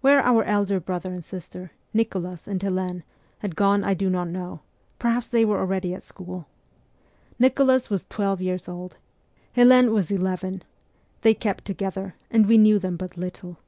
Where our elder brother and sister, Nicholas and Helene, had gone I do not know : perhaps they were already at school. Nicholas was twelve years old, Helene was eleven ; they kept together, and we knew them but little.